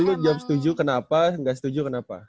lo jawab setuju kenapa gak setuju kenapa